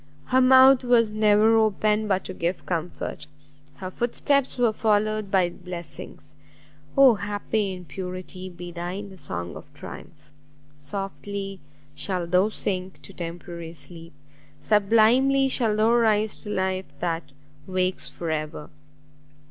her mouth was never open but to give comfort; her foot steps were followed by blessings! Oh happy in purity, be thine the song of triumph! softly shalt thou sink to temporary sleep, sublimely shalt thou rise to life that wakes for ever!"